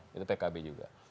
dan juga pengguna pkb juga